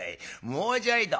もうちょいと。